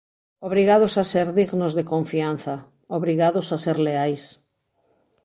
Obrigados a ser dignos de confianza; obrigados a ser leais.